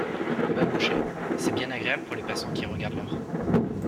Babochet C'est bien agréable pour les passants qui regardent l'heure.